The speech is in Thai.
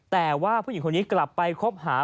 แต่ว่าผู้หญิงคนนี้กลับไปคบหา